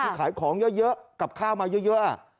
ค่ะขายของเยอะเยอะกับข้าวมาเยอะเยอะอ่ะ